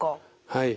はい。